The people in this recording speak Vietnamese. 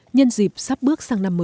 nhân dịp sắp bước sang năm mới